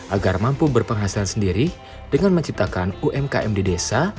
agar mampu berpenghasilan sendiri dengan menciptakan umkm di desa